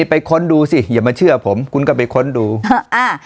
ค้นดูสิอย่ามาเชื่อผมคุณก็ไปค้นดูอ่า